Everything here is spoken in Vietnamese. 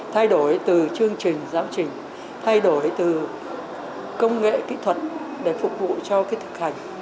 thay đổi từ chương trình giáo trình thay đổi từ công nghệ kỹ thuật để phục vụ cho thực hành